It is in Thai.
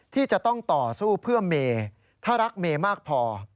ที่จะต้องต่อสู้เพื่อเมย์ถ้ารักเมย์มากพอ